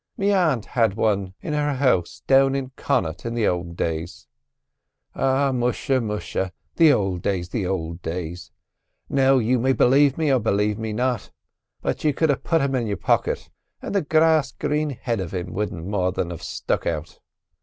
Me a'nt had one in her house down in Connaught in the ould days. O musha! musha! the ould days, the ould days! Now, you may b'lave me or b'lave me not, but you could have put him in your pocket, and the grass green head of him wouldn't more than'v stuck out.